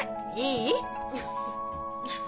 いい？